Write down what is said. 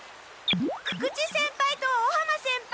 久々知先輩と尾浜先輩！